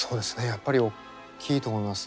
やっぱりおっきいと思います。